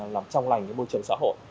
làm trong lành cái môi trường xã hội